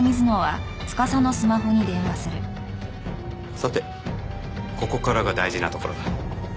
さてここからが大事なところだ。